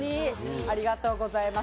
ありがとうございます。